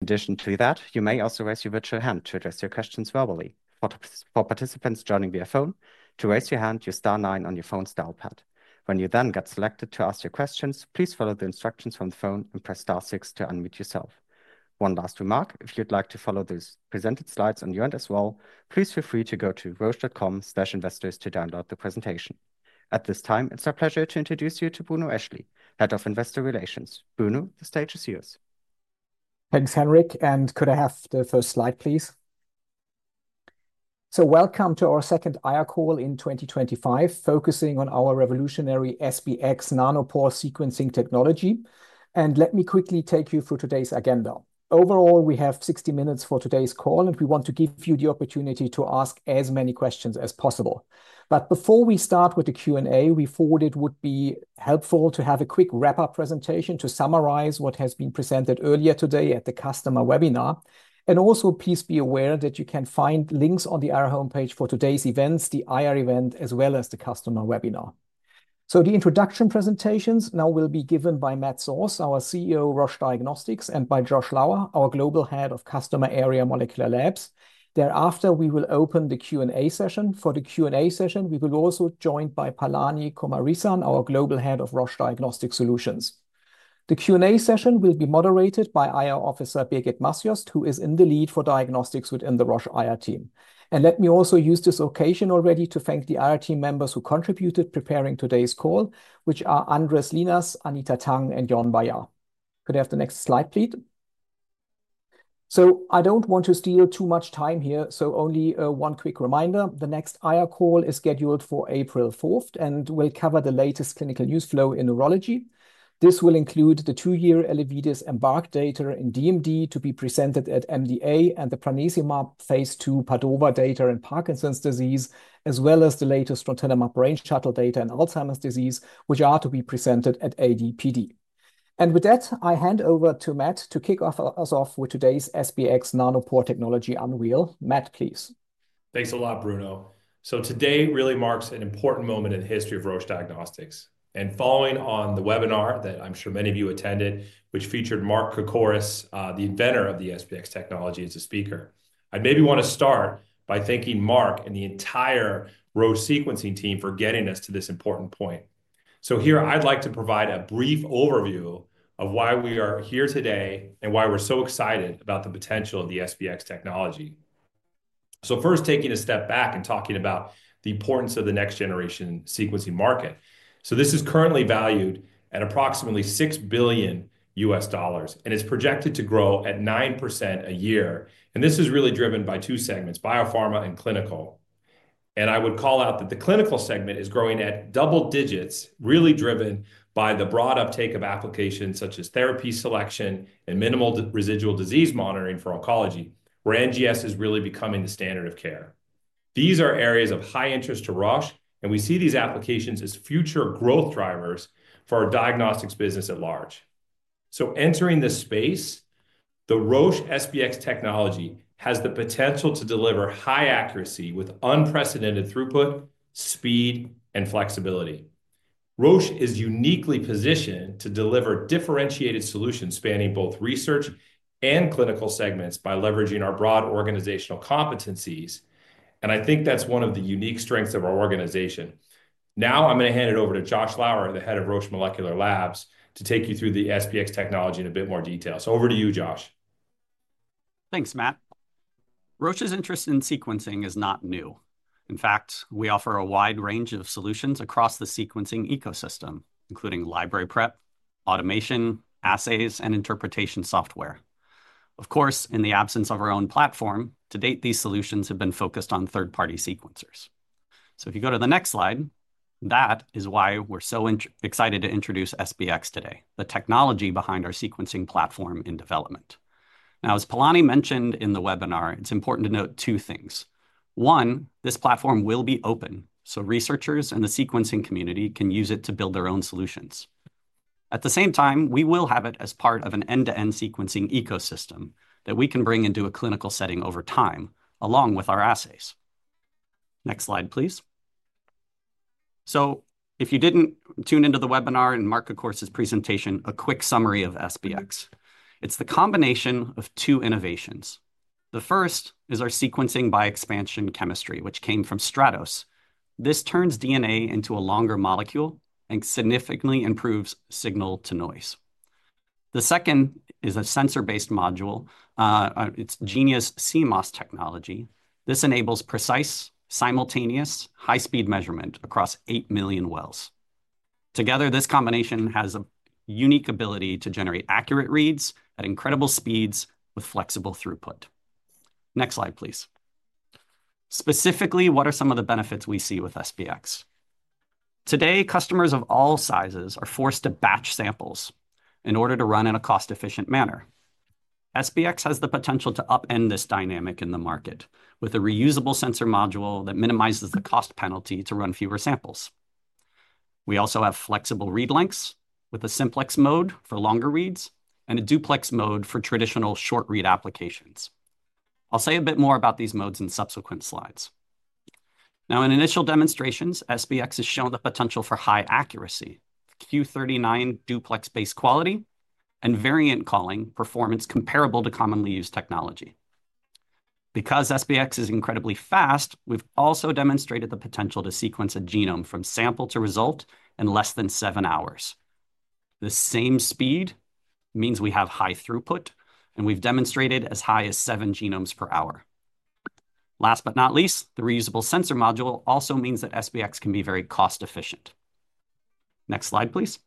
In addition to that, you may also raise your virtual hand to address your questions verbally. For participants joining via phone, to raise your hand, use star 9 on your phone's dial pad. When you then get selected to ask your questions, please follow the instructions from the phone and press star 6 to unmute yourself. One last remark: if you'd like to follow the presented slides on your end as well, please feel free to go to roche.com/investors to download the presentation. At this time, it's our pleasure to introduce you to Bruno Eschli, Head of Investor Relations. Bruno, the stage is yours. Thanks, Henrik. And could I have the first slide, please? So welcome to our second IARC call in 2025, focusing on our revolutionary SBX nanopore sequencing technology. And let me quickly take you through today's agenda. Overall, we have 60 minutes for today's call, and we want to give you the opportunity to ask as many questions as possible. But before we start with the Q&A, we thought it would be helpful to have a quick wrap-up presentation to summarize what has been presented earlier today at the customer webinar. And also, please be aware that you can find links on the IARC homepage for today's events, the IARC event, as well as the customer webinar. So the introduction presentations now will be given by Matt Sause, our CEO of Roche Diagnostics, and by Josh Lauer, our Global Head of Customer Area Molecular Labs. Thereafter, we will open the Q&A session. For the Q&A session, we will also be joined by Palani Kumaresan, our Global Head of Roche Diagnostics Solutions. The Q&A session will be moderated by IARC Officer Birgit Masjost, who is in the lead for diagnostics within the Roche IARC team. And let me also use this occasion already to thank the IARC team members who contributed to preparing today's call, which are Andreas Lins, Anita Tang, and Jörn Bayer. Could I have the next slide, please? So I don't want to steal too much time here, so only one quick reminder: the next IARC call is scheduled for April 4th and will cover the latest clinical news flow in neurology. This will include the two-year Elevidys EMBARK data in DMD to be presented at MDA, and the Prasinezumab phase II PADOVA data in Parkinson's disease, as well as the latest Trontinemab Brain Shuttle data in Alzheimer's disease, which are to be presented at AD/PD. And with that, I hand over to Matt to kick us off with today's SBX nanopore technology unveil. Matt, please. Thanks a lot, Bruno. So today really marks an important moment in the history of Roche Diagnostics, and following on the webinar that I'm sure many of you attended, which featured Mark Kokoris, the inventor of the SBX technology, as a speaker, I'd maybe want to start by thanking Mark and the entire Roche sequencing team for getting us to this important point. So here, I'd like to provide a brief overview of why we are here today and why we're so excited about the potential of the SBX technology. So first, taking a step back and talking about the importance of the next-generation sequencing market, so this is currently valued at approximately $6 billion USD, and it's projected to grow at 9% a year, and this is really driven by two segments: biopharma and clinical. And I would call out that the clinical segment is growing at double digits, really driven by the broad uptake of applications such as therapy selection and minimal residual disease monitoring for oncology, where NGS is really becoming the standard of care. These are areas of high interest to Roche, and we see these applications as future growth drivers for our diagnostics business at large. So entering this space, the Roche SBX technology has the potential to deliver high accuracy with unprecedented throughput, speed, and flexibility. Roche is uniquely positioned to deliver differentiated solutions spanning both research and clinical segments by leveraging our broad organizational competencies. And I think that's one of the unique strengths of our organization. Now I'm going to hand it over to Josh Lauer, the Head of Roche Molecular Labs, to take you through the SBX technology in a bit more detail. Over to you, Josh. Thanks, Matt. Roche's interest in sequencing is not new. In fact, we offer a wide range of solutions across the sequencing ecosystem, including library prep, automation, assays, and interpretation software. Of course, in the absence of our own platform, to date, these solutions have been focused on third-party sequencers. So if you go to the next slide, that is why we're so excited to introduce SBX today, the technology behind our sequencing platform in development. Now, as Palani mentioned in the webinar, it's important to note two things. One, this platform will be open, so researchers and the sequencing community can use it to build their own solutions. At the same time, we will have it as part of an end-to-end sequencing ecosystem that we can bring into a clinical setting over time along with our assays. Next slide, please. So if you didn't tune into the webinar and Mark Kokoris' presentation, a quick summary of SBX. It's the combination of two innovations. The first is our sequencing by expansion chemistry, which came from Stratos. This turns DNA into a longer molecule and significantly improves signal-to-noise. The second is a sensor-based module. It's Genia CMOS technology. This enables precise, simultaneous, high-speed measurement across eight million wells. Together, this combination has a unique ability to generate accurate reads at incredible speeds with flexible throughput. Next slide, please. Specifically, what are some of the benefits we see with SBX? Today, customers of all sizes are forced to batch samples in order to run in a cost-efficient manner. SBX has the potential to upend this dynamic in the market with a reusable sensor module that minimizes the cost penalty to run fewer samples. We also have flexible read lengths with a simplex mode for longer reads and a duplex mode for traditional short read applications. I'll say a bit more about these modes in subsequent slides. Now, in initial demonstrations, SBX has shown the potential for high accuracy, Q39 duplex-based quality, and variant calling performance comparable to commonly used technology. Because SBX is incredibly fast, we've also demonstrated the potential to sequence a genome from sample to result in less than seven hours. The same speed means we have high throughput, and we've demonstrated as high as seven genomes per hour. Last but not least, the reusable sensor module also means that SBX can be very cost-efficient. Next slide, please.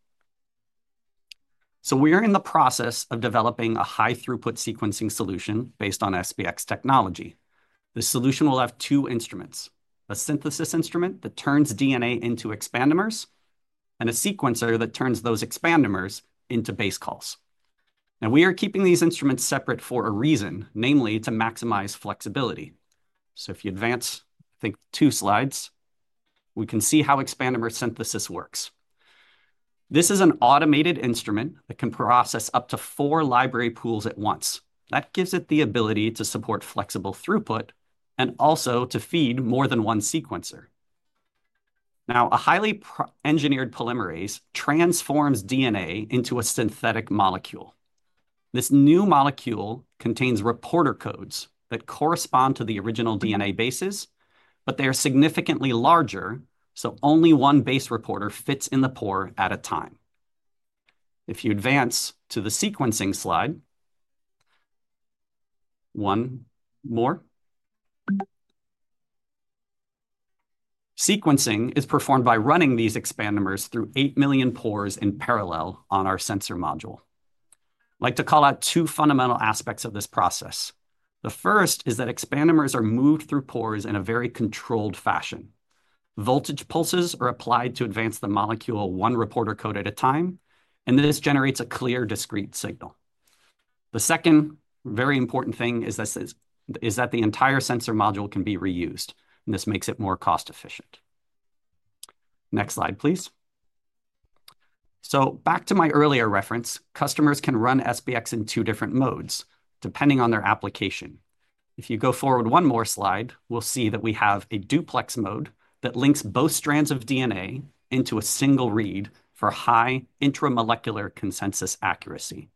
So we are in the process of developing a high-throughput sequencing solution based on SBX technology. The solution will have two instruments: a synthesis instrument that turns DNA into expanders and a sequencer that turns those expanders into base calls. Now, we are keeping these instruments separate for a reason, namely to maximize flexibility. So if you advance, I think, two slides, we can see how expander synthesis works. This is an automated instrument that can process up to four library pools at once. That gives it the ability to support flexible throughput and also to feed more than one sequencer. Now, a highly engineered polymerase transforms DNA into a synthetic molecule. This new molecule contains reporter codes that correspond to the original DNA bases, but they are significantly larger, so only one base reporter fits in the pore at a time. If you advance to the sequencing slide, one more. Sequencing is performed by running these expanders through 8 million pores in parallel on our sensor module. I'd like to call out two fundamental aspects of this process. The first is that expanders are moved through pores in a very controlled fashion. Voltage pulses are applied to advance the molecule one reporter code at a time, and this generates a clear, discrete signal. The second very important thing is that the entire sensor module can be reused, and this makes it more cost-efficient. Next slide, please. So back to my earlier reference, customers can run SBX in two different modes depending on their application. If you go forward one more slide, we'll see that we have a duplex mode that links both strands of DNA into a single read for high intramolecular consensus accuracy.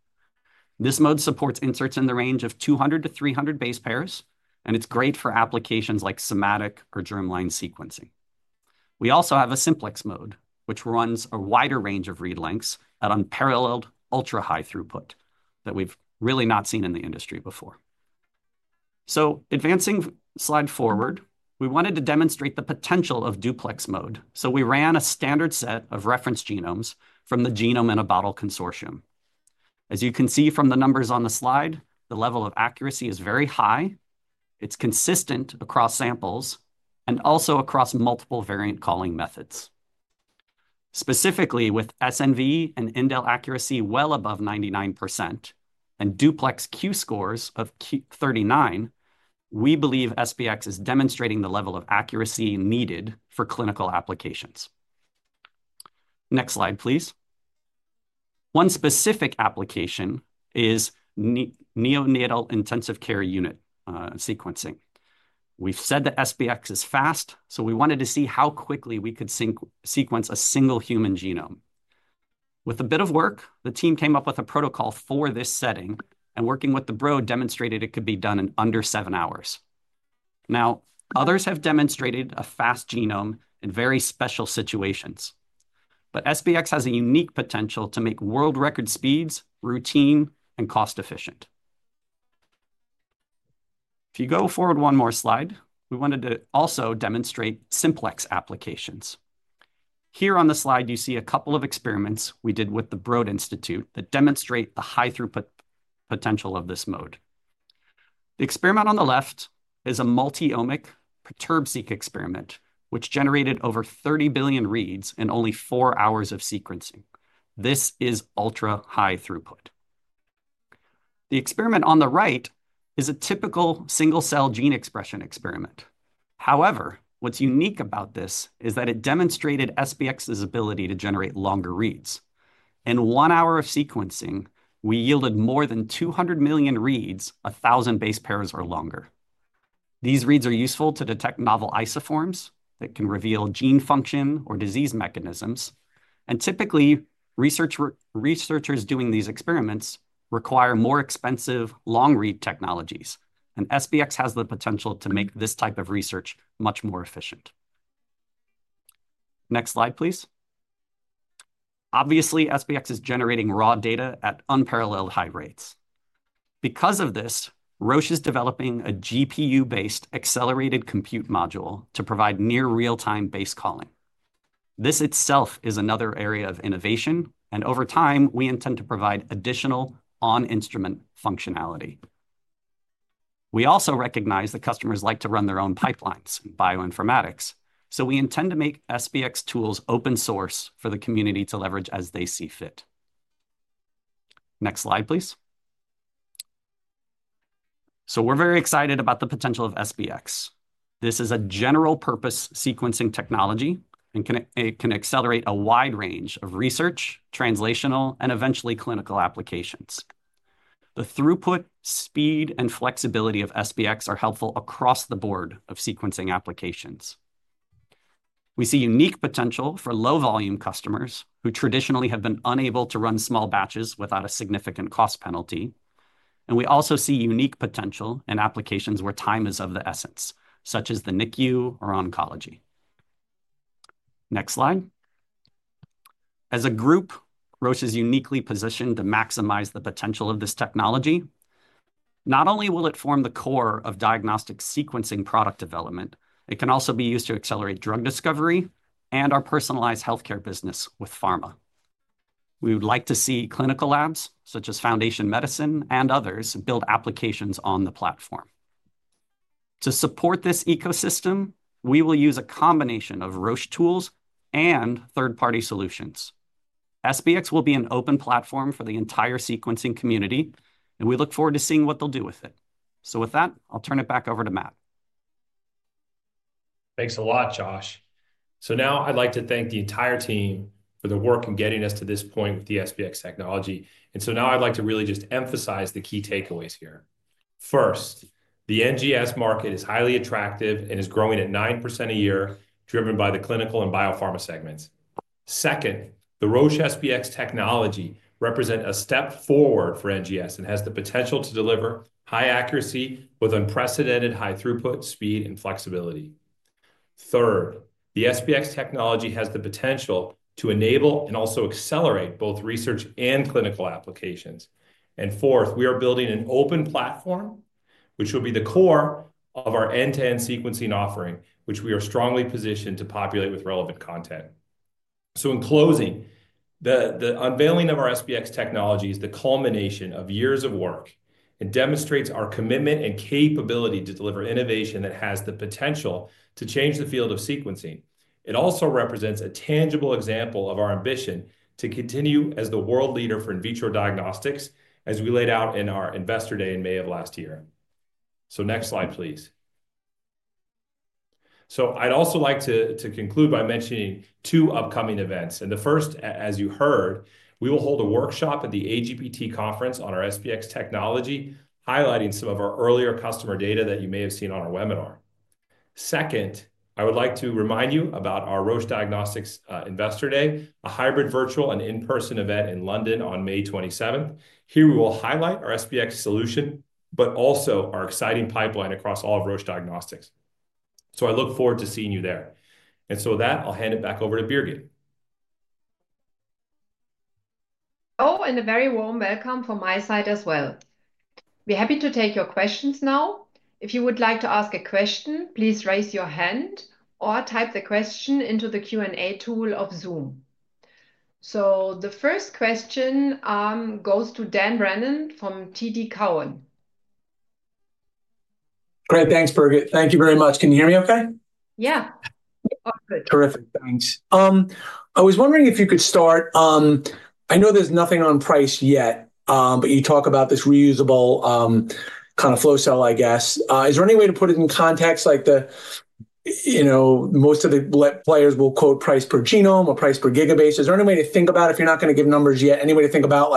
This mode supports inserts in the range of 200-300 base pairs, and it's great for applications like somatic or germline sequencing. We also have a simplex mode, which runs a wider range of read lengths at unparalleled ultra-high throughput that we've really not seen in the industry before. So advancing slide forward, we wanted to demonstrate the potential of duplex mode. So we ran a standard set of reference genomes from the Genome in a Bottle Consortium. As you can see from the numbers on the slide, the level of accuracy is very high. It's consistent across samples and also across multiple variant calling methods. Specifically, with SNV and indel accuracy well above 99% and duplex Q-scores of 39, we believe SBX is demonstrating the level of accuracy needed for clinical applications. Next slide, please. One specific application is neonatal intensive care unit sequencing. We've said that SBX is fast, so we wanted to see how quickly we could sequence a single human genome. With a bit of work, the team came up with a protocol for this setting, and working with the Broad demonstrated it could be done in under 7 hours. Now, others have demonstrated a fast genome in very special situations. But SBX has a unique potential to make world record speeds routine and cost-efficient. If you go forward one more slide, we wanted to also demonstrate simplex applications. Here on the slide, you see a couple of experiments we did with the Broad Institute that demonstrate the high-throughput potential of this mode. The experiment on the left is a multi-omic Perturb-seq experiment, which generated over 30 billion reads in only four hours of sequencing. This is ultra-high throughput. The experiment on the right is a typical single-cell gene expression experiment. However, what's unique about this is that it demonstrated SBX's ability to generate longer reads. In one hour of sequencing, we yielded more than 200 million reads, 1,000 base pairs or longer. These reads are useful to detect novel isoforms that can reveal gene function or disease mechanisms. And typically, researchers doing these experiments require more expensive long-read technologies, and SBX has the potential to make this type of research much more efficient. Next slide, please. Obviously, SBX is generating raw data at unparalleled high rates. Because of this, Roche is developing a GPU-based accelerated compute module to provide near-real-time base calling. This itself is another area of innovation, and over time, we intend to provide additional on-instrument functionality. We also recognize that customers like to run their own pipelines, bioinformatics, so we intend to make SBX tools open-source for the community to leverage as they see fit. Next slide, please. So we're very excited about the potential of SBX. This is a general-purpose sequencing technology, and it can accelerate a wide range of research, translational, and eventually clinical applications. The throughput, speed, and flexibility of SBX are helpful across the board of sequencing applications. We see unique potential for low-volume customers who traditionally have been unable to run small batches without a significant cost penalty. And we also see unique potential in applications where time is of the essence, such as the NICU or oncology. Next slide. As a group, Roche is uniquely positioned to maximize the potential of this technology. Not only will it form the core of diagnostic sequencing product development, it can also be used to accelerate drug discovery and our personalized healthcare business with pharma. We would like to see clinical labs such as Foundation Medicine and others build applications on the platform. To support this ecosystem, we will use a combination of Roche tools and third-party solutions. SBX will be an open platform for the entire sequencing community, and we look forward to seeing what they'll do with it. So with that, I'll turn it back over to Matt. Thanks a lot, Josh. So now I'd like to thank the entire team for the work in getting us to this point with the SBX technology. And so now I'd like to really just emphasize the key takeaways here. First, the NGS market is highly attractive and is growing at 9% a year, driven by the clinical and biopharma segments. Second, the Roche SBX technology represents a step forward for NGS and has the potential to deliver high accuracy with unprecedented high throughput, speed, and flexibility. Third, the SBX technology has the potential to enable and also accelerate both research and clinical applications. And fourth, we are building an open platform, which will be the core of our end-to-end sequencing offering, which we are strongly positioned to populate with relevant content. So in closing, the unveiling of our SBX technology is the culmination of years of work. It demonstrates our commitment and capability to deliver innovation that has the potential to change the field of sequencing. It also represents a tangible example of our ambition to continue as the world leader for in vitro diagnostics, as we laid out in our investor day in May of last year. So next slide, please. So I'd also like to conclude by mentioning two upcoming events. And the first, as you heard, we will hold a workshop at the AGBT conference on our SBX technology, highlighting some of our earlier customer data that you may have seen on our webinar. Second, I would like to remind you about our Roche Diagnostics Investor Day, a hybrid virtual and in-person event in London on May 27th. Here, we will highlight our SBX solution, but also our exciting pipeline across all of Roche Diagnostics. So I look forward to seeing you there. And so with that, I'll hand it back over to Birgit. Oh, and a very warm welcome from my side as well. We're happy to take your questions now. If you would like to ask a question, please raise your hand or type the question into the Q&A tool of Zoom. So the first question goes to Dan Brennan from TD Cowen. Great. Thanks, Birgit. Thank you very much. Can you hear me okay? Yeah. Terrific. Thanks. I was wondering if you could start. I know there's nothing on price yet, but you talk about this reusable kind of flow cell, I guess. Is there any way to put it in context like most of the players will quote price per genome or price per gigabase? Is there any way to think about it if you're not going to give numbers yet? Any way to think about,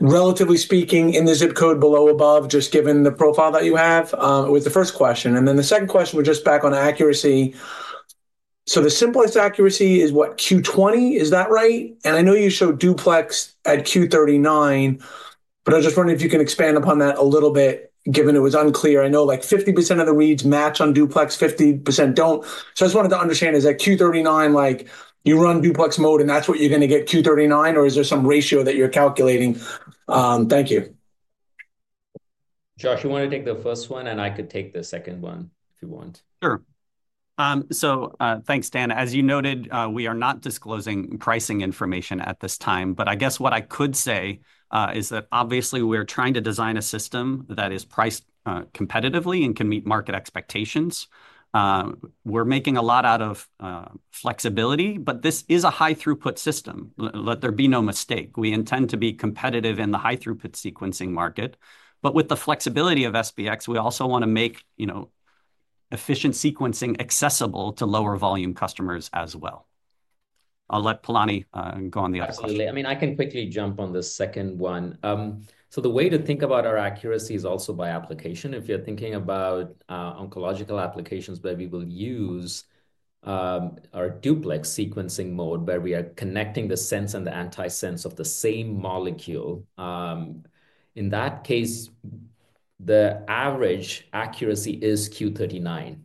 relatively speaking, in the zip code below above, just given the profile that you have? It was the first question. And then the second question was just back on accuracy. So the simplest accuracy is what, Q20? Is that right? And I know you showed duplex at Q39, but I was just wondering if you can expand upon that a little bit, given it was unclear. I know 50% of the reads match on duplex, 50% don't. So I just wanted to understand, is that Q39, you run duplex mode and that's what you're going to get Q39, or is there some ratio that you're calculating? Thank you. Josh, you want to take the first one, and I could take the second one if you want. Sure. So thanks, Dan. As you noted, we are not disclosing pricing information at this time, but I guess what I could say is that obviously we are trying to design a system that is priced competitively and can meet market expectations. We're making a lot out of flexibility, but this is a high-throughput system. Let there be no mistake. We intend to be competitive in the high-throughput sequencing market. But with the flexibility of SBX, we also want to make efficient sequencing accessible to lower-volume customers as well. I'll let Palani go on the other question. Absolutely. I mean, I can quickly jump on the second one. So the way to think about our accuracy is also by application. If you're thinking about oncological applications where we will use our duplex sequencing mode where we are connecting the sense and the anti-sense of the same molecule, in that case, the average accuracy is Q39.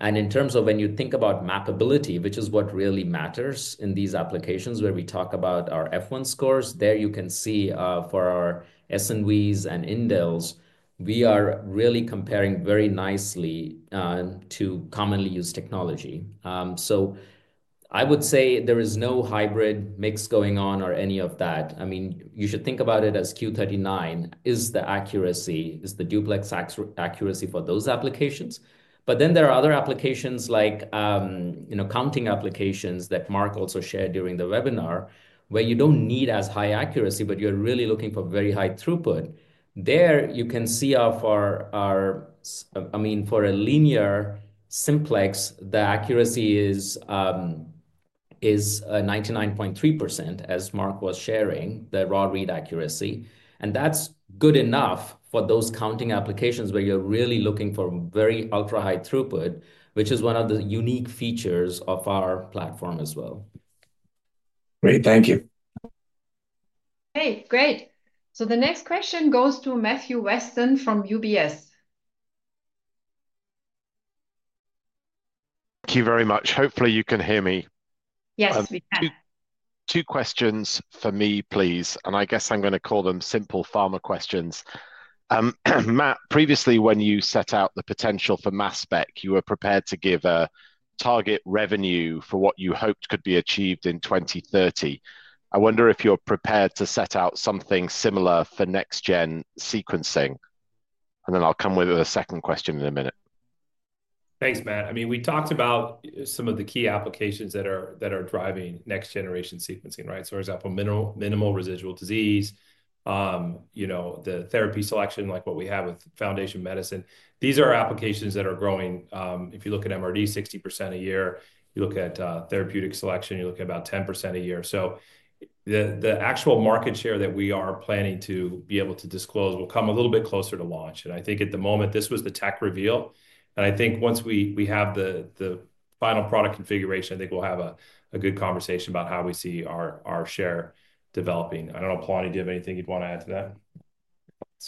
And in terms of when you think about mapability, which is what really matters in these applications where we talk about our F1 scores, there you can see for our SNVs and indels, we are really comparing very nicely to commonly used technology. So I would say there is no hybrid mix going on or any of that. I mean, you should think about it as Q39 is the accuracy, is the duplex accuracy for those applications. But then there are other applications like counting applications that Mark also shared during the webinar where you don't need as high accuracy, but you're really looking for very high throughput. There you can see for, I mean, for a linear simplex, the accuracy is 99.3%, as Mark was sharing, the raw read accuracy. And that's good enough for those counting applications where you're really looking for very ultra-high throughput, which is one of the unique features of our platform as well. Great. Thank you. Hey, great. So the next question goes to Matthew Weston from UBS. Thank you very much. Hopefully, you can hear me. Yes, we can. Two questions for me, please. And I guess I'm going to call them simple pharma questions. Matt, previously, when you set out the potential for Mass Spec, you were prepared to give a target revenue for what you hoped could be achieved in 2030. I wonder if you're prepared to set out something similar for next-gen sequencing. And then I'll come with a second question in a minute. Thanks, Matt. I mean, we talked about some of the key applications that are driving next-generation sequencing, right? So for example, minimal residual disease, the therapy selection like what we have with Foundation Medicine. These are applications that are growing. If you look at MRD, 60% a year. You look at therapeutic selection, you look at about 10% a year. So the actual market share that we are planning to be able to disclose will come a little bit closer to launch, and I think at the moment, this was the tech reveal. And I think once we have the final product configuration, I think we'll have a good conversation about how we see our share developing. I don't know, Palani, do you have anything you'd want to add to that?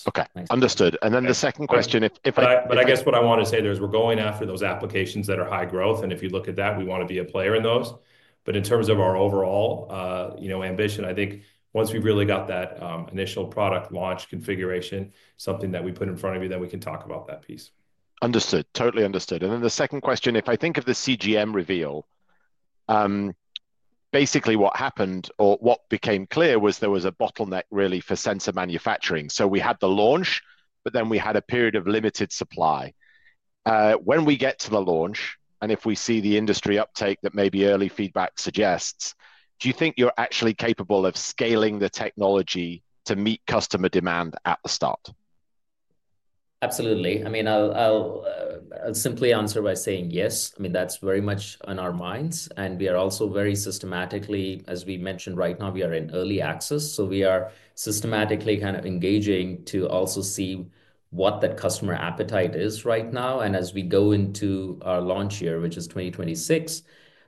Okay. Understood. And then the second question, if I could. But I guess what I want to say there is we're going after those applications that are high growth. And if you look at that, we want to be a player in those. But in terms of our overall ambition, I think once we've really got that initial product launch configuration, something that we put in front of you, then we can talk about that piece. Understood. Totally understood, and then the second question, if I think of the CGM reveal, basically what happened or what became clear was there was a bottleneck really for sensor manufacturing. So we had the launch, but then we had a period of limited supply. When we get to the launch and if we see the industry uptake that maybe early feedback suggests, do you think you're actually capable of scaling the technology to meet customer demand at the start? Absolutely. I mean, I'll simply answer by saying yes. I mean, that's very much on our minds. And we are also very systematically, as we mentioned right now, we are in early access. So we are systematically kind of engaging to also see what that customer appetite is right now. And as we go into our launch year, which is 2026,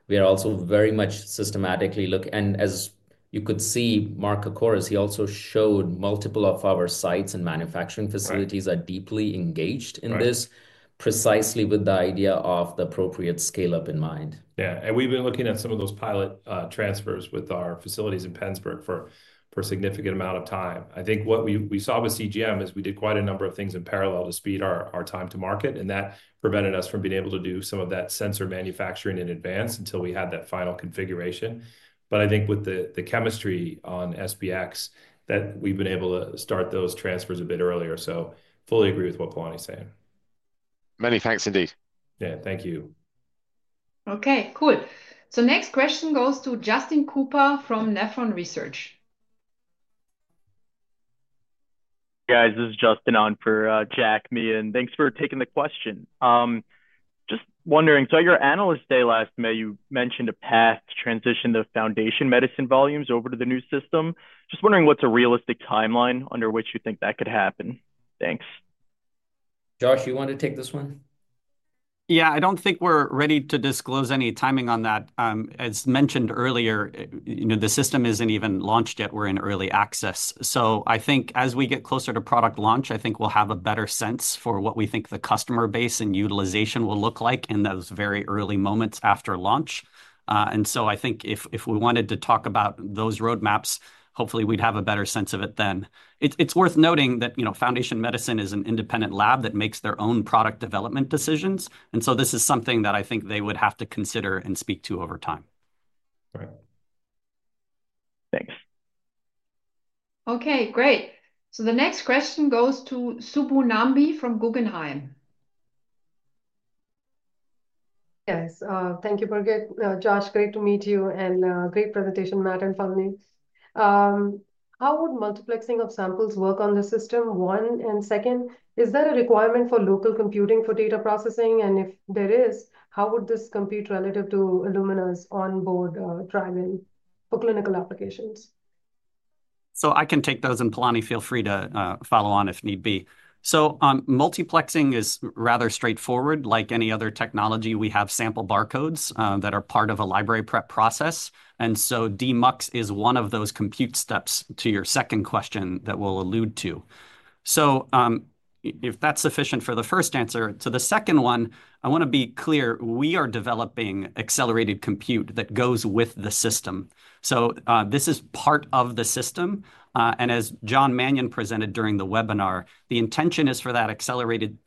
we are also very much systematically looking. And as you could see, Mark Kokoris, he also showed multiple of our sites and manufacturing facilities are deeply engaged in this, precisely with the idea of the appropriate scale-up in mind. Yeah. And we've been looking at some of those pilot transfers with our facilities in Penzberg for a significant amount of time. I think what we saw with CGM is we did quite a number of things in parallel to speed our time to market. And that prevented us from being able to do some of that sensor manufacturing in advance until we had that final configuration. But I think with the chemistry on SBX, that we've been able to start those transfers a bit earlier. So fully agree with what Palani's saying. Many thanks indeed. Yeah. Thank you. Okay. Cool. So next question goes to Justin Cooper from Nephron Research. Hey, guys. This is Justin on for Jack Meehan, and thanks for taking the question. Just wondering, so at your Analyst Day last May, you mentioned a path to transition the Foundation Medicine volumes over to the new system. Just wondering what's a realistic timeline under which you think that could happen. Thanks. Josh, you want to take this one? Yeah. I don't think we're ready to disclose any timing on that. As mentioned earlier, the system isn't even launched yet. We're in early access. So I think as we get closer to product launch, I think we'll have a better sense for what we think the customer base and utilization will look like in those very early moments after launch. And so I think if we wanted to talk about those roadmaps, hopefully we'd have a better sense of it then. It's worth noting that Foundation Medicine is an independent lab that makes their own product development decisions. And so this is something that I think they would have to consider and speak to over time. Thanks. Okay. Great. So the next question goes to Subbu Nambi from Guggenheim. Yes. Thank you, Birgit. Josh, great to meet you. And great presentation, Matt and Palani. How would multiplexing of samples work on the system, one, and second, is there a requirement for local computing for data processing? And if there is, how would this compute relative to Illumina's onboard driving for clinical applications? So I can take those. And Palani, feel free to follow on if need be. So multiplexing is rather straightforward. Like any other technology, we have sample barcodes that are part of a library prep process. And so demux is one of those compute steps to your second question that we'll allude to. So if that's sufficient for the first answer. So the second one, I want to be clear. We are developing accelerated compute that goes with the system. So this is part of the system. And as John Mannion presented during the webinar, the intention is for that accelerated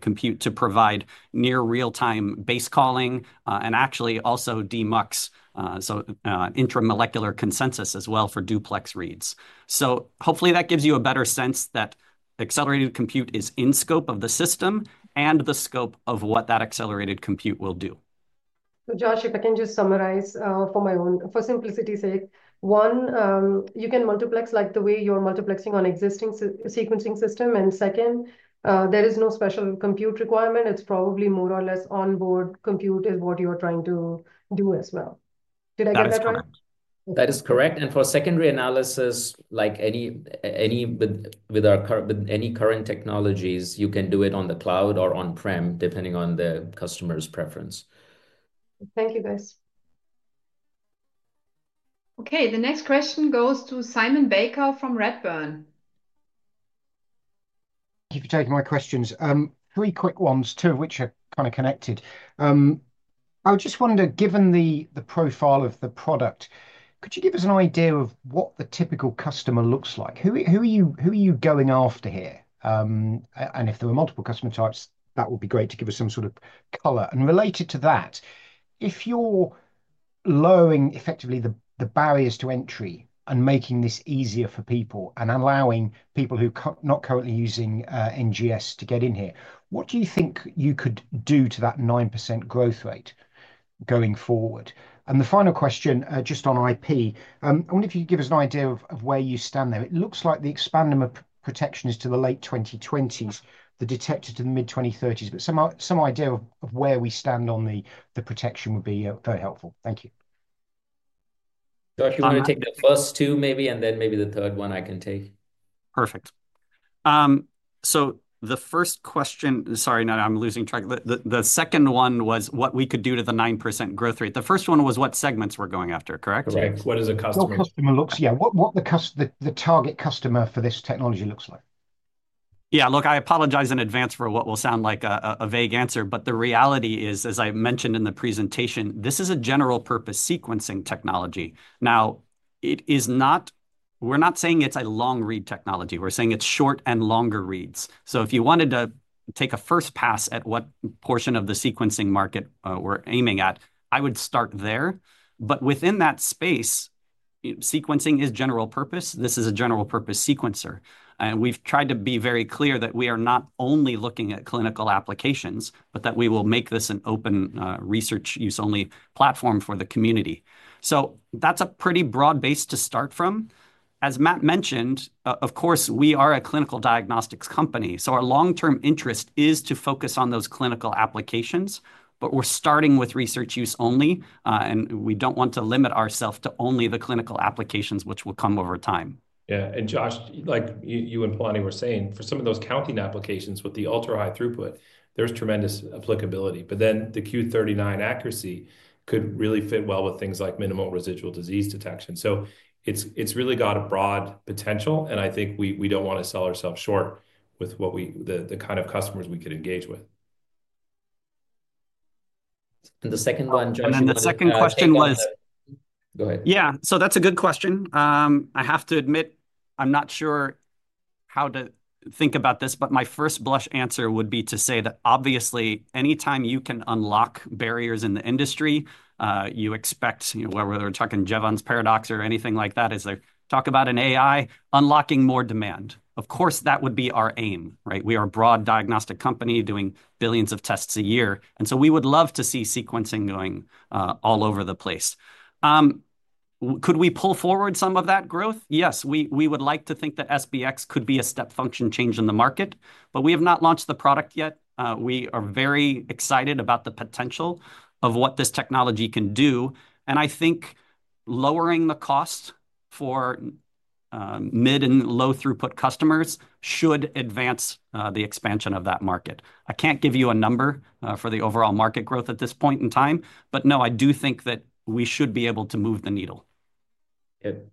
compute to provide near real-time base calling and actually also demux, so intramolecular consensus as well for duplex reads. So hopefully that gives you a better sense that accelerated compute is in scope of the system and the scope of what that accelerated compute will do. So Josh, if I can just summarize for my own, for simplicity's sake, one, you can multiplex like the way you're multiplexing on existing sequencing system. And second, there is no special compute requirement. It's probably more or less onboard compute is what you are trying to do as well. Did I get that right? That is correct. And for secondary analysis, like any, with any current technologies, you can do it on the cloud or on-prem, depending on the customer's preference. Thank you, guys. Okay. The next question goes to Simon Baker from Redburn. Thank you for taking my questions. Three quick ones, two of which are kind of connected. I just wonder, given the profile of the product, could you give us an idea of what the typical customer looks like? Who are you going after here? And if there were multiple customer types, that would be great to give us some sort of color. And related to that, if you're lowering effectively the barriers to entry and making this easier for people and allowing people who are not currently using NGS to get in here, what do you think you could do to that 9% growth rate going forward? And the final question, just on IP, I wonder if you could give us an idea of where you stand there. It looks like the expansion protection is to the late 2020s, the detection to the mid-2030s. But some idea of where we stand on the protection would be very helpful. Thank you. Josh, you want to take the first two maybe, and then maybe the third one I can take. Perfect. So the first question, sorry, I'm losing track. The second one was what we could do to the 9% growth rate. The first one was what segments we're going after, correct? Correct. What does a customer? What the target customer for this technology looks like. Yeah. Look, I apologize in advance for what will sound like a vague answer. But the reality is, as I mentioned in the presentation, this is a general-purpose sequencing technology. Now, we're not saying it's a long-read technology. We're saying it's short and longer reads. So if you wanted to take a first pass at what portion of the sequencing market we're aiming at, I would start there. But within that space, sequencing is general-purpose. This is a general-purpose sequencer. And we've tried to be very clear that we are not only looking at clinical applications, but that we will make this an open research-use-only platform for the community. So that's a pretty broad base to start from. As Matt mentioned, of course, we are a clinical diagnostics company. So our long-term interest is to focus on those clinical applications. But we're starting with research use only. We don't want to limit ourselves to only the clinical applications, which will come over time. Yeah. And Josh, like you and Palani were saying, for some of those counting applications with the ultra-high throughput, there's tremendous applicability. But then the Q39 accuracy could really fit well with things like minimal residual disease detection. So it's really got a broad potential. And I think we don't want to sell ourselves short with the kind of customers we could engage with. And the second one, Josh. And then the second question was. Go ahead. Yeah. So that's a good question. I have to admit, I'm not sure how to think about this, but my first blush answer would be to say that obviously, anytime you can unlock barriers in the industry, you expect, whether we're talking Jevons Paradox or anything like that, is they talk about an AI unlocking more demand. Of course, that would be our aim, right? We are a broad diagnostic company doing billions of tests a year. And so we would love to see sequencing going all over the place. Could we pull forward some of that growth? Yes. We would like to think that SBX could be a step function change in the market. But we have not launched the product yet. We are very excited about the potential of what this technology can do. I think lowering the cost for mid and low-throughput customers should advance the expansion of that market. I can't give you a number for the overall market growth at this point in time. No, I do think that we should be able to move the needle. Good.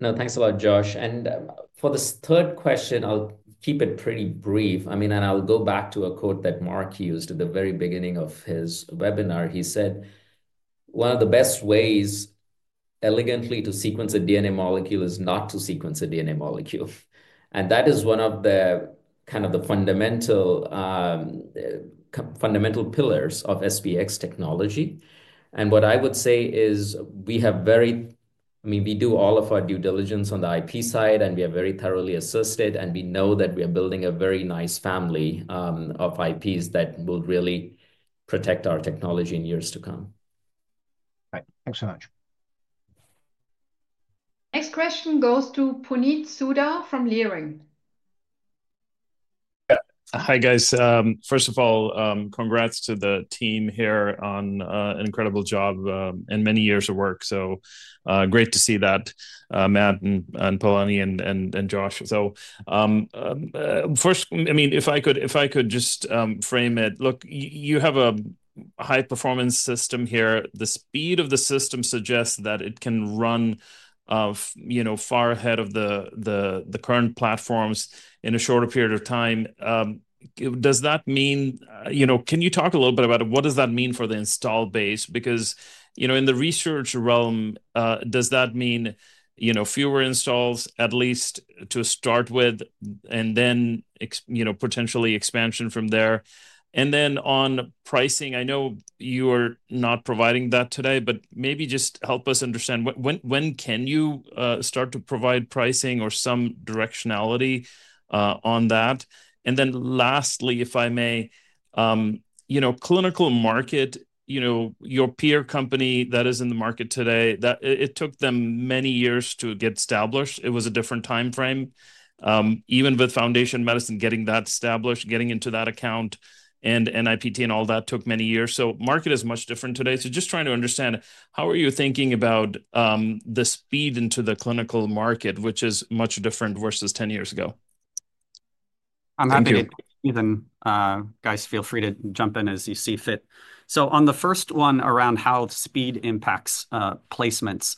No, thanks a lot, Josh. And for this third question, I'll keep it pretty brief. I mean, and I'll go back to a quote that Mark used at the very beginning of his webinar. He said, "One of the best ways elegantly to sequence a DNA molecule is not to sequence a DNA molecule." And that is one of the kind of the fundamental pillars of SBX technology. And what I would say is we have I mean, we do all of our due diligence on the IP side, and we are very thoroughly assisted. And we know that we are building a very nice family of IPs that will really protect our technology in years to come. All right. Thanks so much. Next question goes to Puneet Souda from Leerink. Hi, guys. First of all, congrats to the team here on an incredible job and many years of work. So great to see that, Matt and Palani and Josh. So first, I mean, if I could just frame it, look, you have a high-performance system here. The speed of the system suggests that it can run far ahead of the current platforms in a shorter period of time. Does that mean can you talk a little bit about it? What does that mean for the install base? Because in the research realm, does that mean fewer installs, at least to start with, and then potentially expansion from there? And then on pricing, I know you are not providing that today, but maybe just help us understand when can you start to provide pricing or some directionality on that? And then lastly, if I may, clinical market, your peer company that is in the market today, it took them many years to get established. It was a different time frame. Even with Foundation Medicine getting that established, getting into that account and NIPT and all that took many years. So market is much different today. So just trying to understand, how are you thinking about the speed into the clinical market, which is much different versus 10 years ago? I'm happy to give you some. Guys, feel free to jump in as you see fit. So on the first one around how speed impacts placements,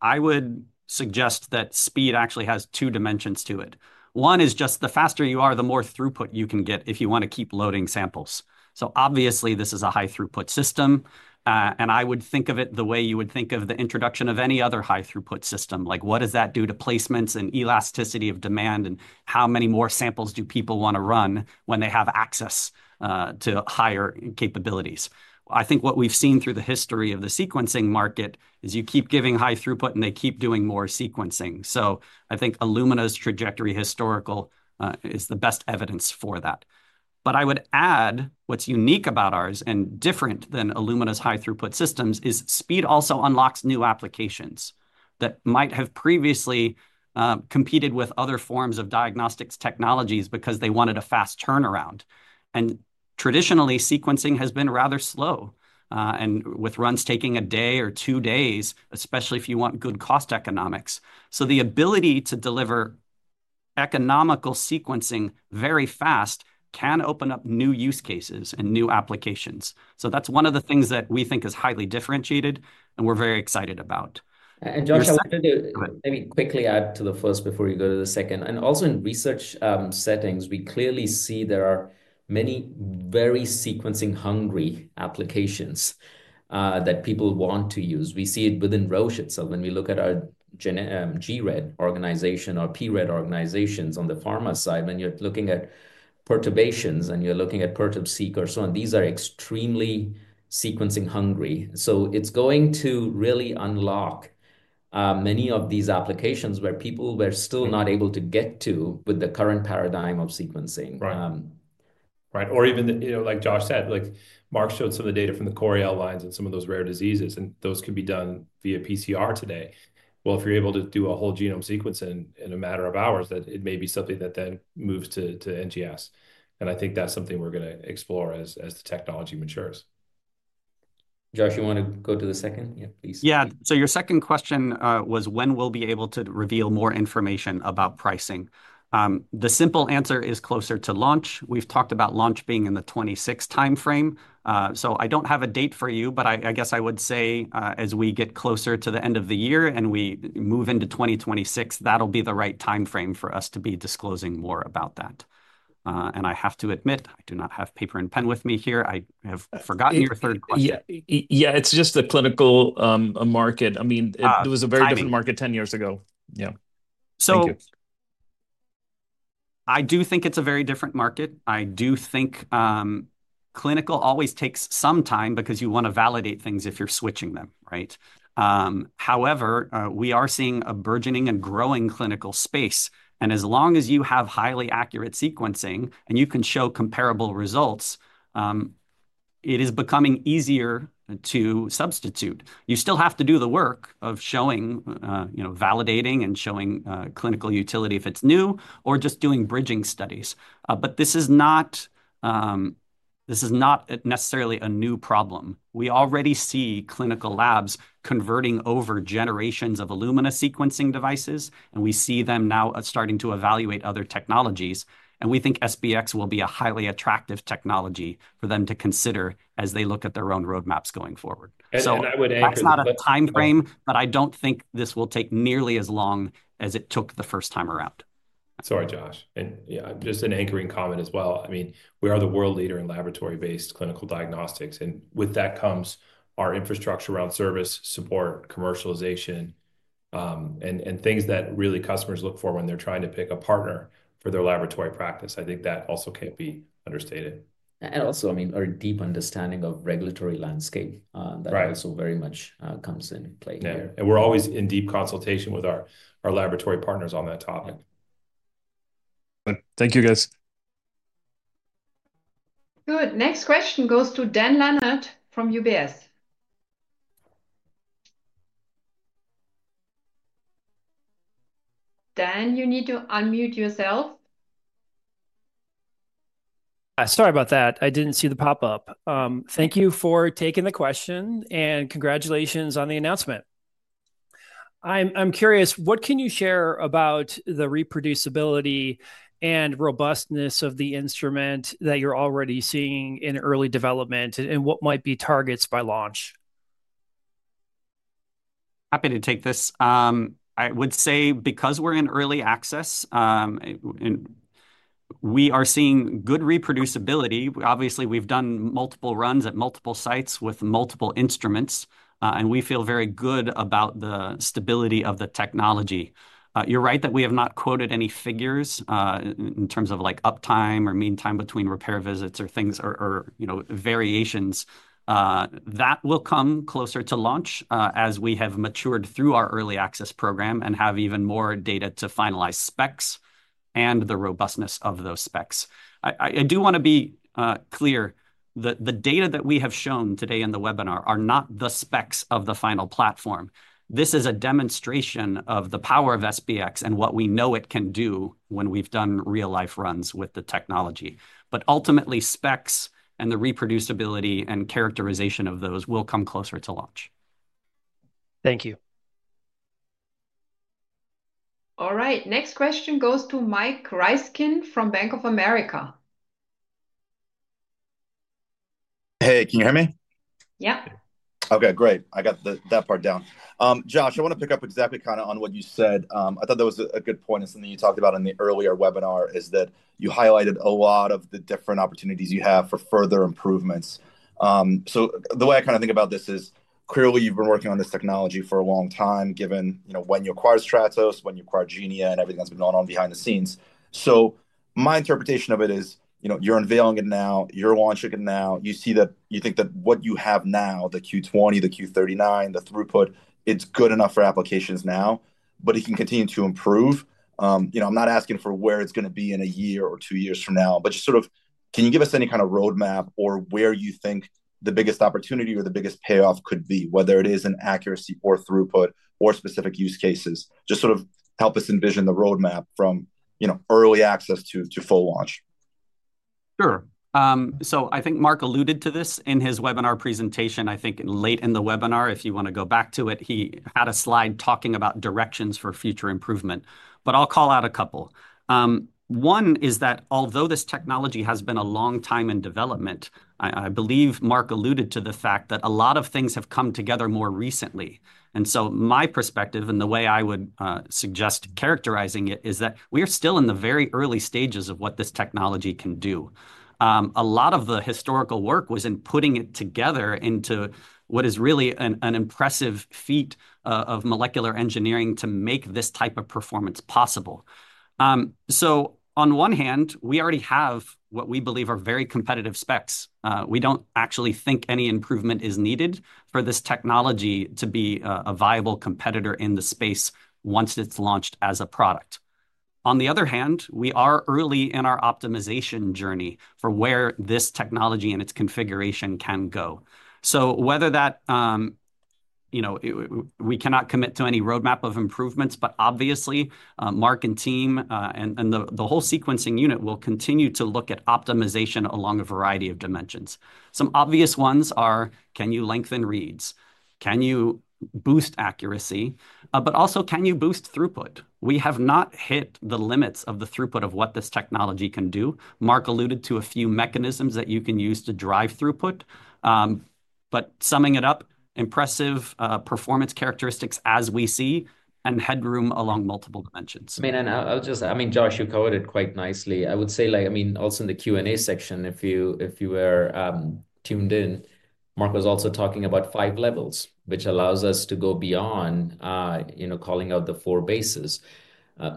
I would suggest that speed actually has two dimensions to it. One is just the faster you are, the more throughput you can get if you want to keep loading samples. So obviously, this is a high-throughput system. And I would think of it the way you would think of the introduction of any other high-throughput system. Like what does that do to placements and elasticity of demand and how many more samples do people want to run when they have access to higher capabilities? I think what we've seen through the history of the sequencing market is you keep giving high throughput and they keep doing more sequencing. So I think Illumina's trajectory historical is the best evidence for that. But I would add what's unique about ours and different than Illumina's high-throughput systems is speed, also unlocks new applications that might have previously competed with other forms of diagnostics technologies because they wanted a fast turnaround, and traditionally, sequencing has been rather slow and with runs taking a day or two days, especially if you want good cost economics, so the ability to deliver economical sequencing very fast can open up new use cases and new applications, so that's one of the things that we think is highly differentiated and we're very excited about. Josh, I wanted to maybe quickly add to the first before you go to the second. Also in research settings, we clearly see there are many very sequencing-hungry applications that people want to use. We see it within Roche itself. When we look at our gRED organization or pRED organizations on the pharma side, when you're looking at perturbations and you're looking at Perturb-seq or so on, these are extremely sequencing-hungry. So it's going to really unlock many of these applications where people were still not able to get to with the current paradigm of sequencing. Right, or even like Josh said, like Mark showed some of the data from the Coriell Cell Lines and some of those rare diseases, and those could be done via PCR today, well, if you're able to do a whole genome sequence in a matter of hours, that it may be something that then moves to NGS. And I think that's something we're going to explore as the technology matures. Josh, you want to go to the second? Yeah, please. Yeah. So your second question was when we'll be able to reveal more information about pricing. The simple answer is closer to launch. We've talked about launch being in the 2026 time frame. So I don't have a date for you, but I guess I would say as we get closer to the end of the year and we move into 2026, that'll be the right time frame for us to be disclosing more about that. And I have to admit, I do not have paper and pen with me here. I have forgotten your third question. Yeah. It's just the clinical market. I mean, it was a very different market 10 years ago. Yeah. So I do think it's a very different market. I do think clinical always takes some time because you want to validate things if you're switching them, right? However, we are seeing a burgeoning and growing clinical space. And as long as you have highly accurate sequencing and you can show comparable results, it is becoming easier to substitute. You still have to do the work of showing, validating and showing clinical utility if it's new or just doing bridging studies. But this is not necessarily a new problem. We already see clinical labs converting over generations of Illumina sequencing devices. And we see them now starting to evaluate other technologies. And we think SBX will be a highly attractive technology for them to consider as they look at their own roadmaps going forward. So that's not a time frame, but I don't think this will take nearly as long as it took the first time around. Sorry, Josh, and just an anchoring comment as well. I mean, we are the world leader in laboratory-based clinical diagnostics. And with that comes our infrastructure around service, support, commercialization, and things that really customers look for when they're trying to pick a partner for their laboratory practice. I think that also can't be understated. Also, I mean, our deep understanding of regulatory landscape that also very much comes into play here. Yeah. And we're always in deep consultation with our laboratory partners on that topic. Thank you, guys. Good. Next question goes to Dan Leonard from UBS. Dan, you need to unmute yourself. Sorry about that. I didn't see the pop-up. Thank you for taking the question and congratulations on the announcement. I'm curious, what can you share about the reproducibility and robustness of the instrument that you're already seeing in early development and what might be targets by launch? Happy to take this. I would say because we're in early access, we are seeing good reproducibility. Obviously, we've done multiple runs at multiple sites with multiple instruments, and we feel very good about the stability of the technology. You're right that we have not quoted any figures in terms of uptime or meantime between repair visits or things or variations. That will come closer to launch as we have matured through our early access program and have even more data to finalize specs and the robustness of those specs. I do want to be clear that the data that we have shown today in the webinar are not the specs of the final platform. This is a demonstration of the power of SBX and what we know it can do when we've done real-life runs with the technology. But ultimately, specs and the reproducibility and characterization of those will come closer to launch. Thank you. All right. Next question goes to Mike Ryskin from Bank of America. Hey, can you hear me? Yep. Okay. Great. I got that part down. Josh, I want to pick up exactly kind of on what you said. I thought that was a good point, and something you talked about in the earlier webinar is that you highlighted a lot of the different opportunities you have for further improvements. So the way I kind of think about this is clearly you've been working on this technology for a long time given when you acquired Stratos, when you acquired Genia and everything that's been going on behind the scenes. So my interpretation of it is you're unveiling it now. You're launching it now. You see that you think that what you have now, the Q20, the Q39, the throughput, it's good enough for applications now, but it can continue to improve. I'm not asking for where it's going to be in a year or two years from now, but just sort of can you give us any kind of roadmap or where you think the biggest opportunity or the biggest payoff could be, whether it is in accuracy or throughput or specific use cases? Just sort of help us envision the roadmap from early access to full launch. Sure. So I think Mark alluded to this in his webinar presentation. I think late in the webinar, if you want to go back to it, he had a slide talking about directions for future improvement, but I'll call out a couple. One is that although this technology has been a long time in development, I believe Mark alluded to the fact that a lot of things have come together more recently, and so my perspective and the way I would suggest characterizing it is that we are still in the very early stages of what this technology can do. A lot of the historical work was in putting it together into what is really an impressive feat of molecular engineering to make this type of performance possible, so on one hand, we already have what we believe are very competitive specs. We don't actually think any improvement is needed for this technology to be a viable competitor in the space once it's launched as a product. On the other hand, we are early in our optimization journey for where this technology and its configuration can go. So, we cannot commit to any roadmap of improvements, but obviously, Mark and team and the whole sequencing unit will continue to look at optimization along a variety of dimensions. Some obvious ones are, can you lengthen reads? Can you boost accuracy? But also, can you boost throughput? We have not hit the limits of the throughput of what this technology can do. Mark alluded to a few mechanisms that you can use to drive throughput. But summing it up, impressive performance characteristics as we see, and headroom along multiple dimensions. I mean, Josh, you covered it quite nicely. I would say, I mean, also in the Q&A section, if you were tuned in, Mark was also talking about five levels, which allows us to go beyond calling out the four bases.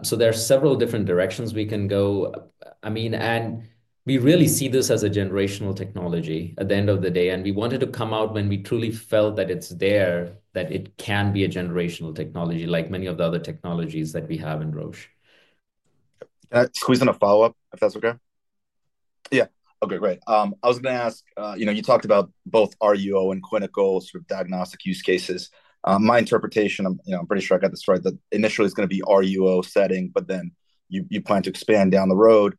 So there are several different directions we can go. I mean, and we really see this as a generational technology at the end of the day, and we wanted to come out when we truly felt that it's there, that it can be a generational technology like many of the other technologies that we have in Roche. Squeeze in a follow-up, if that's okay? Yeah. Okay. Great. I was going to ask, you talked about both RUO and clinical diagnostic use cases. My interpretation, I'm pretty sure I got this right, that initially it's going to be RUO setting, but then you plan to expand down the road.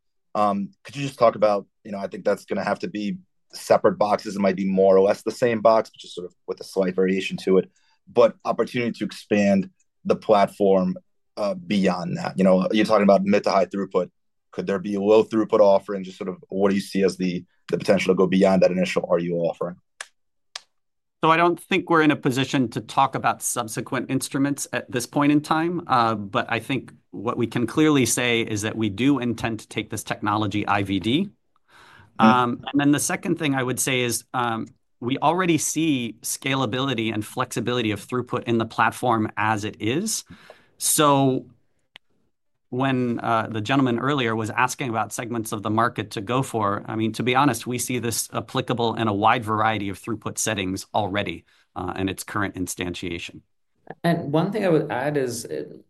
Could you just talk about, I think that's going to have to be separate boxes. It might be more or less the same box, but just sort of with a slight variation to it, but opportunity to expand the platform beyond that. You're talking about mid to high throughput. Could there be a low throughput offer and just sort of what do you see as the potential to go beyond that initial RUO offering? So I don't think we're in a position to talk about subsequent instruments at this point in time. But I think what we can clearly say is that we do intend to take this technology IVD. And then the second thing I would say is we already see scalability and flexibility of throughput in the platform as it is. So when the gentleman earlier was asking about segments of the market to go for, I mean, to be honest, we see this applicable in a wide variety of throughput settings already in its current instantiation. One thing I would add is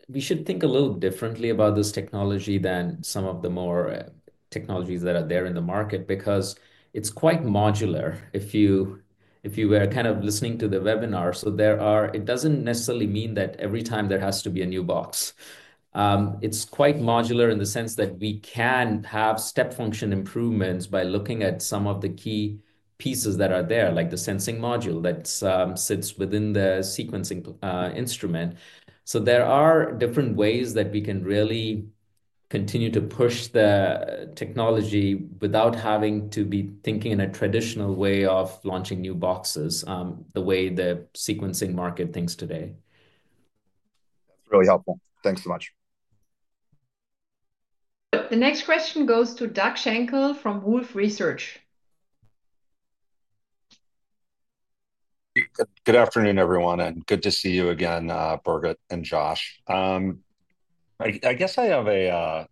we should think a little differently about this technology than some of the other technologies that are there in the market because it's quite modular. If you were kind of listening to the webinar, it doesn't necessarily mean that every time there has to be a new box. It's quite modular in the sense that we can have step function improvements by looking at some of the key pieces that are there, like the sensing module that sits within the sequencing instrument. There are different ways that we can really continue to push the technology without having to be thinking in a traditional way of launching new boxes the way the sequencing market thinks today. That's really helpful. Thanks so much. The next question goes to Doug Schenkel from Wolfe Research. Good afternoon, everyone, and good to see you again, Birgit and Josh. I guess I have a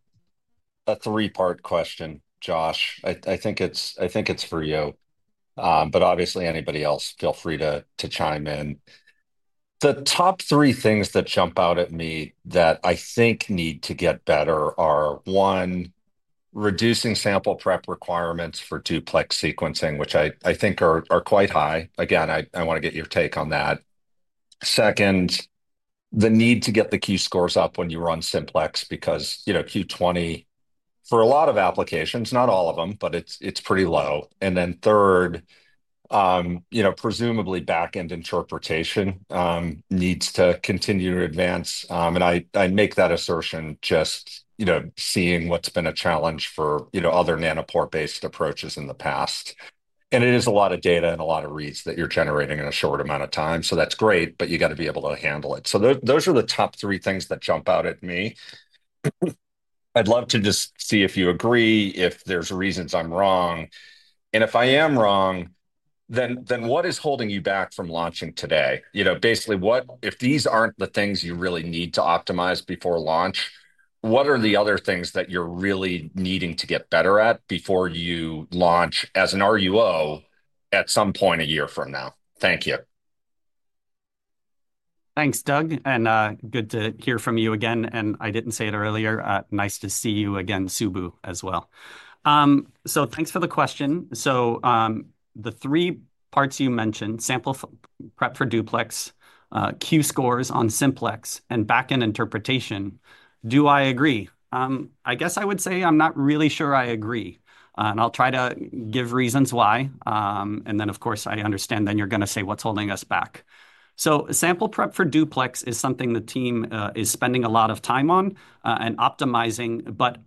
three-part question, Josh. I think it's for you, but obviously anybody else, feel free to chime in. The top three things that jump out at me that I think need to get better are, one, reducing sample prep requirements for duplex sequencing, which I think are quite high. Again, I want to get your take on that. Second, the need to get the Q-scores up when you run simplex because Q20, for a lot of applications, not all of them, but it's pretty low. And then third, presumably back-end interpretation needs to continue to advance, and I make that assertion just seeing what's been a challenge for other nanopore-based approaches in the past. It is a lot of data and a lot of reads that you're generating in a short amount of time. That's great, but you got to be able to handle it. Those are the top three things that jump out at me. I'd love to just see if you agree, if there's reasons I'm wrong. If I am wrong, then what is holding you back from launching today? Basically, if these aren't the things you really need to optimize before launch, what are the other things that you're really needing to get better at before you launch as an RUO at some point a year from now? Thank you. Thanks, Doug, and good to hear from you again. I didn't say it earlier. Nice to see you again, Subbu, as well. Thanks for the question. The three parts you mentioned, sample prep for duplex, Q-scores on simplex, and back-end interpretation, do I agree? I guess I would say I'm not really sure I agree. I'll try to give reasons why. Then, of course, I understand then you're going to say what's holding us back. Sample prep for duplex is something the team is spending a lot of time on and optimizing, but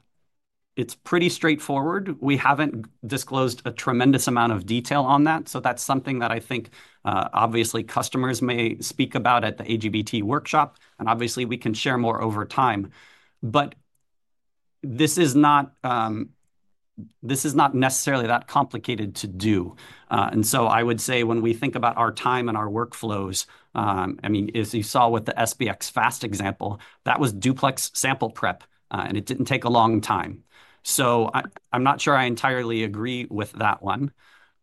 it's pretty straightforward. We haven't disclosed a tremendous amount of detail on that. That's something that I think obviously customers may speak about at the AGBT workshop. We can share more over time. This is not necessarily that complicated to do. And so I would say when we think about our time and our workflows, I mean, as you saw with the SBX fast example, that was duplex sample prep, and it didn't take a long time. So I'm not sure I entirely agree with that one.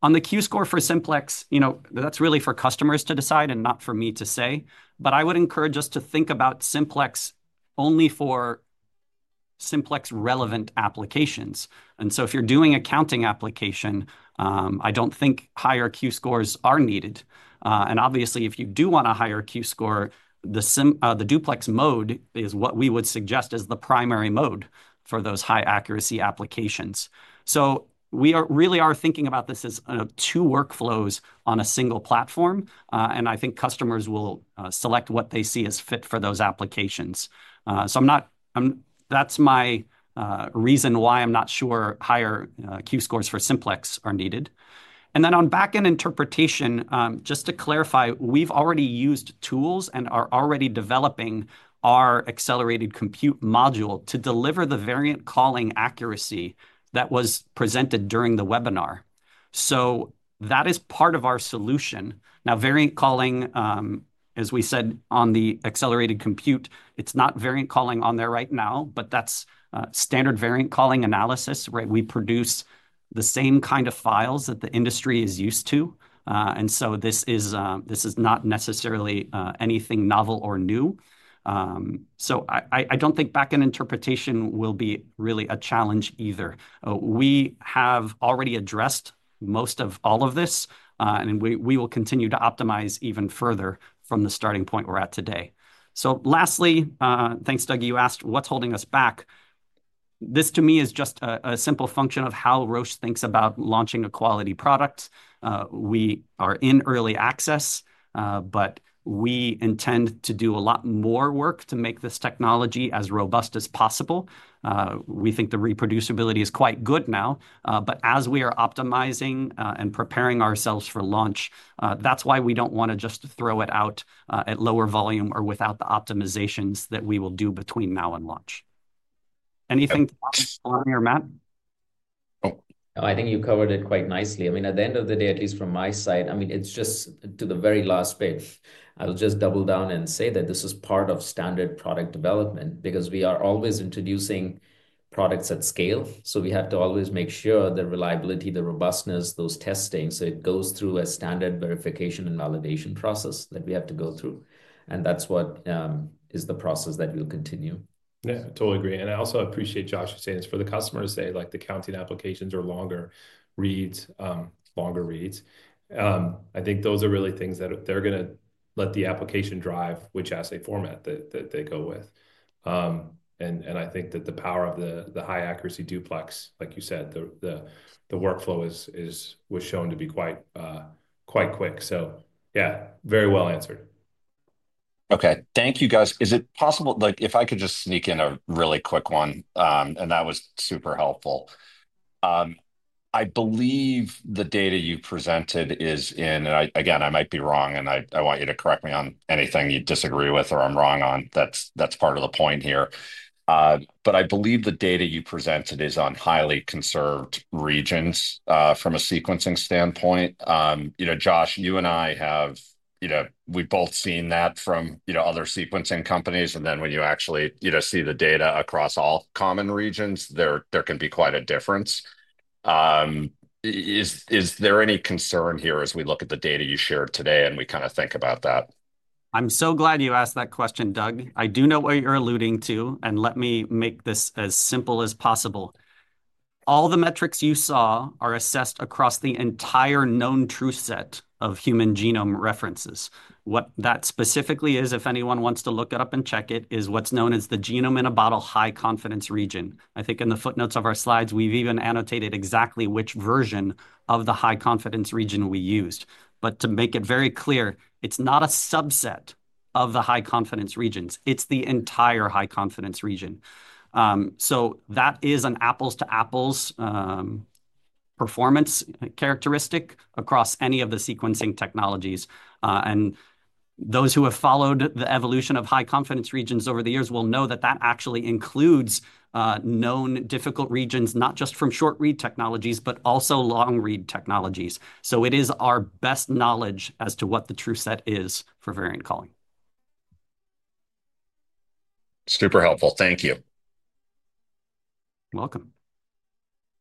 On the Q-score for simplex, that's really for customers to decide and not for me to say. But I would encourage us to think about simplex only for simplex-relevant applications. And so if you're doing a counting application, I don't think higher Q-scores are needed. And obviously, if you do want a higher Q-score, the duplex mode is what we would suggest as the primary mode for those high-accuracy applications. So we really are thinking about this as two workflows on a single platform. And I think customers will select what they see as fit for those applications. So that's my reason why I'm not sure higher Q-scores for Simplex are needed. And then on back-end interpretation, just to clarify, we've already used tools and are already developing our Accelerated Compute Module to deliver the variant calling accuracy that was presented during the webinar. So that is part of our solution. Now, variant calling, as we said on the Accelerated Compute, it's not variant calling on there right now, but that's standard variant calling analysis, right? We produce the same kind of files that the industry is used to. And so this is not necessarily anything novel or new. So I don't think back-end interpretation will be really a challenge either. We have already addressed most of all of this, and we will continue to optimize even further from the starting point we're at today. So lastly, thanks, Doug. You asked what's holding us back. This, to me, is just a simple function of how Roche thinks about launching a quality product. We are in early access, but we intend to do a lot more work to make this technology as robust as possible. We think the reproducibility is quite good now. But as we are optimizing and preparing ourselves for launch, that's why we don't want to just throw it out at lower volume or without the optimizations that we will do between now and launch. Anything to add, Palani or Matt? I think you covered it quite nicely. I mean, at the end of the day, at least from my side, I mean, it's just to the very last page. I'll just double down and say that this is part of standard product development because we are always introducing products at scale. So we have to always make sure the reliability, the robustness, those testings. So it goes through a standard verification and validation process that we have to go through, and that's what is the process that we'll continue. Yeah, totally agree. And I also appreciate Josh saying it's for the customers. They like the counting applications or longer reads, longer reads. I think those are really things that they're going to let the application drive which assay format that they go with. And I think that the power of the high-accuracy duplex, like you said, the workflow was shown to be quite quick. So yeah, very well answered. Okay. Thank you, guys. Is it possible if I could just sneak in a really quick one? And that was super helpful. I believe the data you presented is in, and again, I might be wrong, and I want you to correct me on anything you disagree with or I'm wrong on. That's part of the point here. But I believe the data you presented is on highly conserved regions from a sequencing standpoint. Josh, you and I have, we've both seen that from other sequencing companies. And then when you actually see the data across all common regions, there can be quite a difference. Is there any concern here as we look at the data you shared today and we kind of think about that? I'm so glad you asked that question, Doug. I do know what you're alluding to, and let me make this as simple as possible. All the metrics you saw are assessed across the entire known true set of human genome references. What that specifically is, if anyone wants to look it up and check it, is what's known as the Genome in a Bottle high confidence region. I think in the footnotes of our slides, we've even annotated exactly which version of the high confidence region we used. But to make it very clear, it's not a subset of the high confidence regions. It's the entire high confidence region. So that is an apples-to-apples performance characteristic across any of the sequencing technologies. And those who have followed the evolution of high confidence regions over the years will know that that actually includes known difficult regions, not just from short-read technologies, but also long-read technologies. So it is our best knowledge as to what the true set is for variant calling. Super helpful. Thank you. Welcome.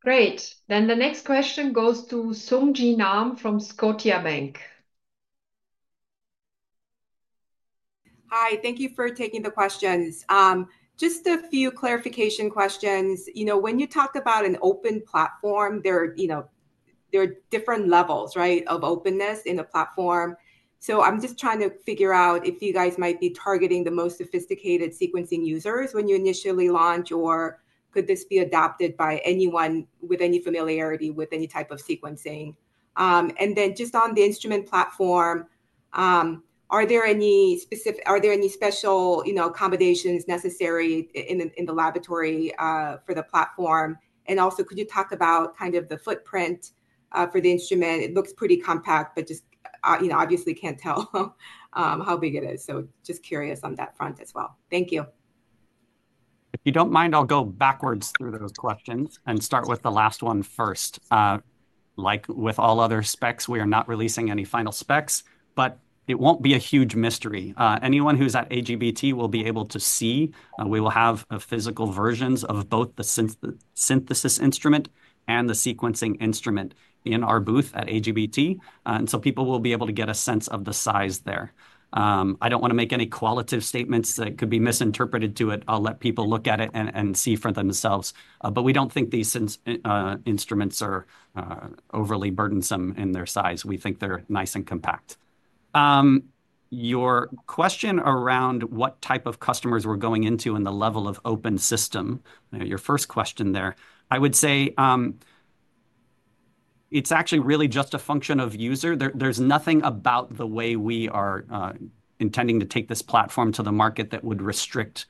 Great. Then the next question goes to Sung Ji Nam from Scotiabank. Hi. Thank you for taking the questions. Just a few clarification questions. When you talk about an open platform, there are different levels, right, of openness in a platform. So I'm just trying to figure out if you guys might be targeting the most sophisticated sequencing users when you initially launch, or could this be adopted by anyone with any familiarity with any type of sequencing? And then just on the instrument platform, are there any special accommodations necessary in the laboratory for the platform? And also, could you talk about kind of the footprint for the instrument? It looks pretty compact, but just obviously can't tell how big it is. So just curious on that front as well. Thank you. If you don't mind, I'll go backwards through those questions and start with the last one first. Like with all other specs, we are not releasing any final specs, but it won't be a huge mystery. Anyone who's at AGBT will be able to see, we will have physical versions of both the synthesis instrument and the sequencing instrument in our booth at AGBT, and so people will be able to get a sense of the size there. I don't want to make any qualitative statements that could be misinterpreted to it. I'll let people look at it and see for themselves, but we don't think these instruments are overly burdensome in their size. We think they're nice and compact. Your question around what type of customers we're going into and the level of open system, your first question there, I would say it's actually really just a function of user. There's nothing about the way we are intending to take this platform to the market that would restrict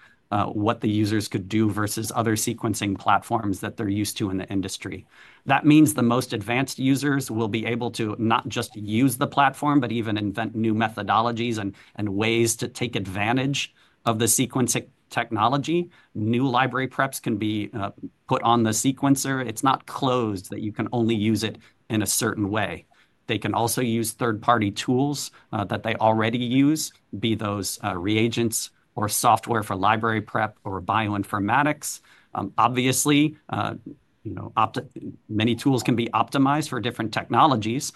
what the users could do versus other sequencing platforms that they're used to in the industry. That means the most advanced users will be able to not just use the platform, but even invent new methodologies and ways to take advantage of the sequencing technology. New library preps can be put on the sequencer. It's not closed that you can only use it in a certain way. They can also use third-party tools that they already use, be those reagents or software for library prep or bioinformatics. Obviously, many tools can be optimized for different technologies.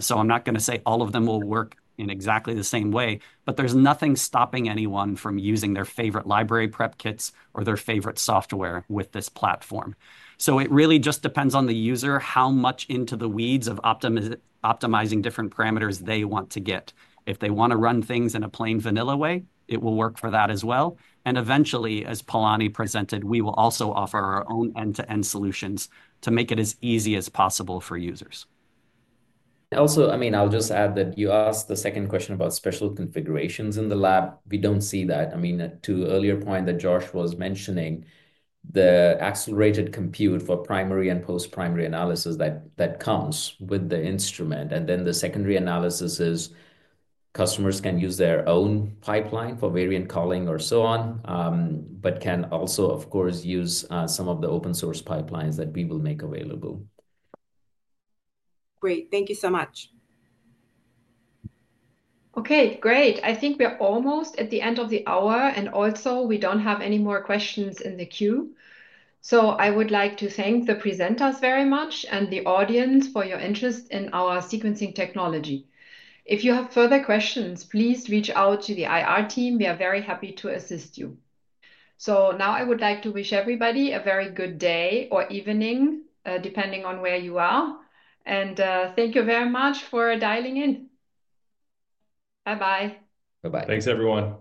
So I'm not going to say all of them will work in exactly the same way, but there's nothing stopping anyone from using their favorite library prep kits or their favorite software with this platform. So it really just depends on the user how much into the weeds of optimizing different parameters they want to get. If they want to run things in a plain vanilla way, it will work for that as well. And eventually, as Palani presented, we will also offer our own end-to-end solutions to make it as easy as possible for users. Also, I mean, I'll just add that you asked the second question about special configurations in the lab. We don't see that. I mean, to the earlier point that Josh was mentioning, the accelerated compute for primary and post-primary analysis that comes with the instrument. And then the secondary analysis is customers can use their own pipeline for variant calling or so on, but can also, of course, use some of the open-source pipelines that we will make available. Great. Thank you so much. Okay, great. I think we are almost at the end of the hour. And also, we don't have any more questions in the queue. So I would like to thank the presenters very much and the audience for your interest in our sequencing technology. If you have further questions, please reach out to the IR team. We are very happy to assist you. So now I would like to wish everybody a very good day or evening, depending on where you are. And thank you very much for dialing in. Bye-bye. Bye-bye. Thanks, everyone.